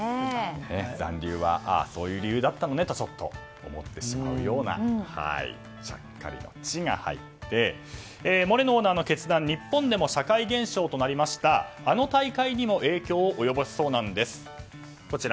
残留はそういう理由だったのねとちょっと思ってしまうようなちゃっかりの「チ」が入ってモレノオーナーの決断は日本でも社会現象となったあの大会にも影響を及ぼしそうなんです。